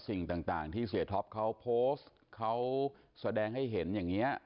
เค้าได้แบบหายไปแล้วหน้าอะไรอย่างเนี่ยครับ